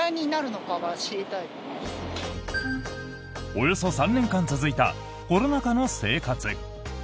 およそ３年間続いたコロナ禍の生活。